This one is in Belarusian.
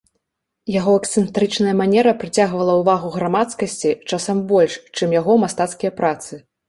Яго эксцэнтрычная манера прыцягвала ўвагу грамадскасці часам больш, чым яго мастацкія працы.